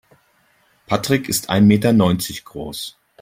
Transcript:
Patrick ist ein Meter neunzig groß.